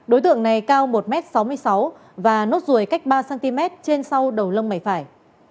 đối tượng này cao một m sáu mươi sáu và nốt ruồi cách ba cm trên sau đầu lông mày phải